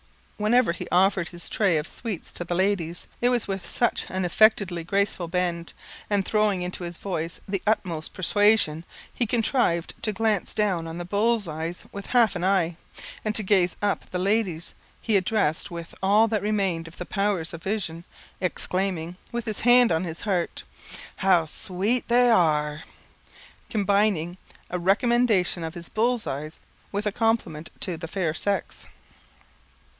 Whenever he offered his tray of sweets to the ladies, it was with such an affectedly graceful bend; and throwing into his voice the utmost persuasion, he contrived to glance down on the bulls' eyes with half an eye, and to gaze up at the ladies he addressed with all that remained of the powers of vision, exclaiming, with his hand on his heart, "How sweet they a r e!" combining a recommendation of his bulls' eyes with a compliment to the fair sex.